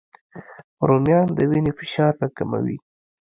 رومیان د وینې فشار راکموي